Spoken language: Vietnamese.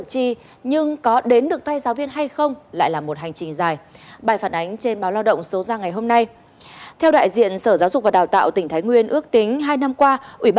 chúng tôi tìm được một nhà vệ sinh sạch theo đúng nghĩa